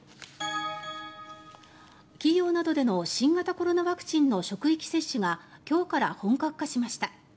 企業などでの新型コロナワクチンの職域接種が今日から本格化しました。